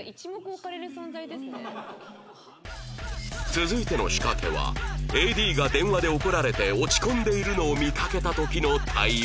続いての仕掛けは ＡＤ が電話で怒られて落ち込んでいるのを見かけた時の対応